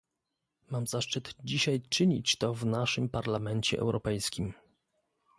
Mam zaszczyt dzisiaj czynić to w naszym Parlamencie Europejskim